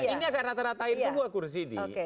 ini agak rata ratain semua kursi di